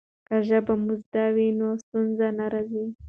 که ژبه مو زده وي نو ستونزې نه راځي.